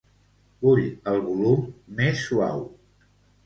Vull el volum més suau.